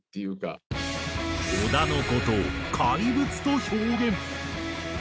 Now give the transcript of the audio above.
小田の事を「怪物」と表現。